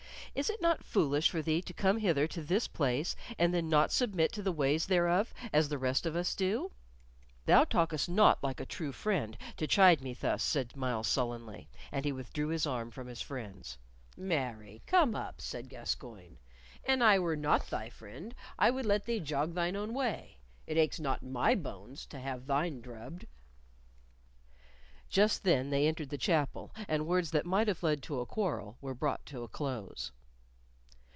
"Is it not foolish for thee to come hither to this place, and then not submit to the ways thereof, as the rest of us do?" "Thou talkest not like a true friend to chide me thus," said Myles, sullenly; and he withdrew his arm from his friend's. "Marry, come up!" said Gascoyne; "an I were not thy friend, I would let thee jog thine own way. It aches not my bones to have thine drubbed." Just then they entered the chapel, and words that might have led to a quarrel were brought to a close.